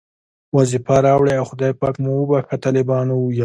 وظیفه راوړئ او خدای پاک مو وبښه، طالبانو وویل.